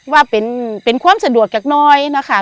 ว่าเป็นความสะดวกอย่างน้อยนะคะ